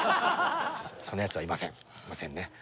そんなやつはいませんいませんね。